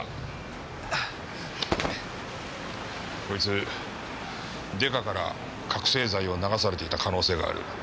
こいつデカから覚せい剤を流されていた可能性がある。